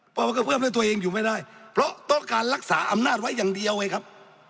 เพราะว่ากระเพื่อมให้ตัวเองอยู่ไม่ได้เพราะต้องการรักษาอำนาจไว้อย่างเดียวไงครับ